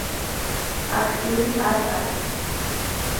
აქტიური არ არის.